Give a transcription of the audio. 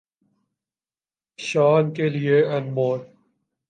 شان کے لئے انمول